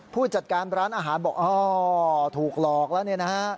ผู้จัดการร้านอาหารบอกอ๋อถูกหลอกแล้วเนี่ยนะฮะ